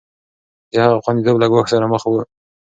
د هغه خونديتوب له ګواښ سره مخ و.